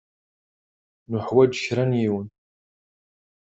Nuḥwaǧ kra n yiwen.